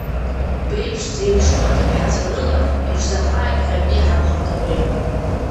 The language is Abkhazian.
Беиԥш зеиԥшу аҭыԥҳацәа рыла иԥшӡахааит ҳаҩни ҳамхырҭақәеи!